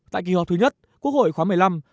tại kỳ họp thứ nhất quốc hội khóa một mươi năm